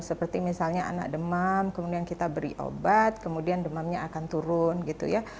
seperti misalnya anak demam kemudian kita beri obat kemudian demamnya akan turun gitu ya